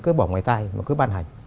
cứ bỏ ngoài tay mà cứ ban hành